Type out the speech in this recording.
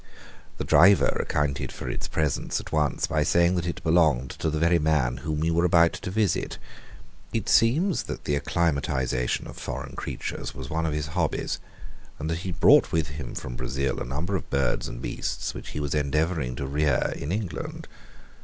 The driver accounted for its presence at once by saying that it belonged to the very man whom we were about to visit. It seems that the acclimatization of foreign creatures was one of his hobbies, and that he had brought with him from Brazil a number of birds and beasts which he was endeavouring to rear in England.